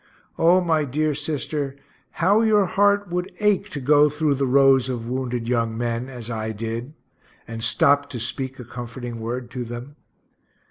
O my dear sister, how your heart would ache to go through the rows of wounded young men, as I did and stopt to speak a comforting word to them.